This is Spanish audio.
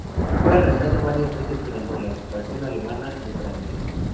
Fue arrestado varias veces durante la ocupación alemana de Francia.